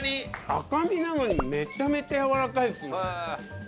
赤身なのにめちゃめちゃやわらかいですね。